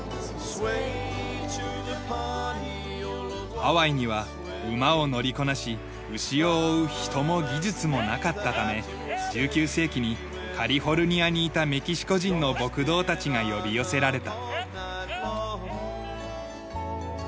ハワイには馬を乗りこなし牛を追う人も技術もなかったため１９世紀にカリフォルニアにいたメキシコ人の牧童たちが呼び寄せられた。